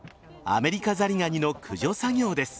アメリカザリガニの駆除作業です。